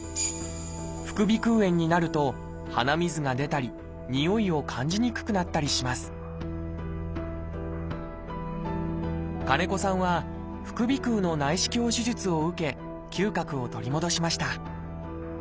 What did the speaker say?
副鼻腔炎になると鼻水が出たりにおいを感じにくくなったりします金子さんは副鼻腔の内視鏡手術を受け嗅覚を取り戻しました